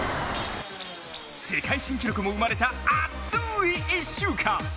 世界新記録も生まれた熱い１週間！